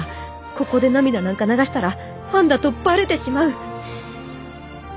ここで涙なんか流したらファンだとバレてしまう！